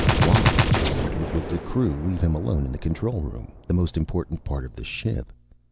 Why, he wondered, would the crew leave him alone in the control room, the most important part of the ship?